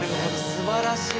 すばらしい！